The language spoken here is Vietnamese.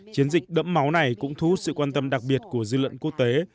chiến dịch đẫm máu này cũng thu hút sự quan tâm đặc biệt của dư luận quốc tế